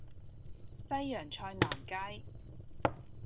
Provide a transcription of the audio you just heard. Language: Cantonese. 西洋菜南街